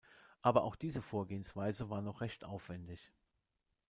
Aber auch diese Vorgehensweise war noch recht aufwändig.